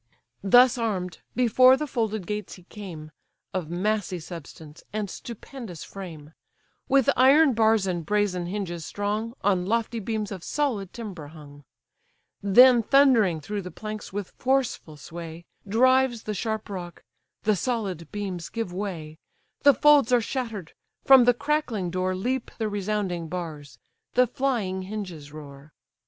Thus arm'd, before the folded gates he came, Of massy substance, and stupendous frame; With iron bars and brazen hinges strong, On lofty beams of solid timber hung: Then thundering through the planks with forceful sway, Drives the sharp rock; the solid beams give way, The folds are shatter'd; from the crackling door Leap the resounding bars, the flying hinges roar.